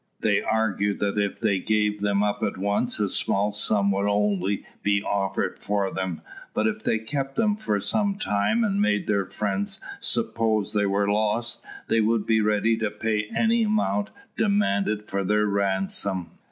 They argued that if they gave them up at once, a small sum only would be offered for them; but if they kept them for some time, and made their friends suppose they were lost, they would be ready to pay any amount demanded for their ransom.